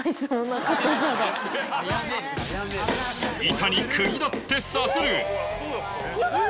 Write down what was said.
板に釘だって刺せるヤバい！